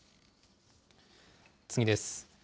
次です。